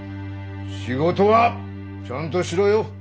仕事はちゃんとしろよ！